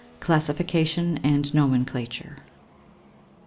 CLASSIFICATION AND NOMENCLATURE.